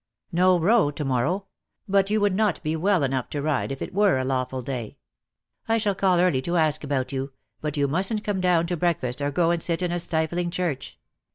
"No Row to morrow; but you would not be well enough to ride if it were a lawful day. I shall call early to ask about you — but you mustn't come down to breakfast or go and sit in a stifling church.